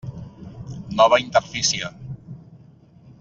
Nova interfície.